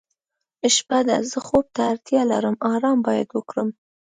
شپه ده زه خوب ته اړتیا لرم آرام باید وکړم.